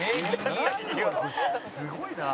「すごいなあ」